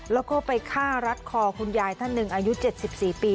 แล้วก็ไปฆ่ารัดคอคุณยายท่านหนึ่งอายุ๗๔ปี